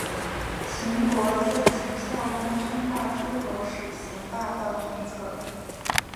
秦国自秦孝公称霸诸候时行霸道政策。